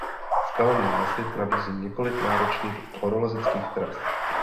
Skalní masiv nabízí několik náročných horolezeckých tras.